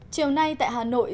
chiều nay tại hà nội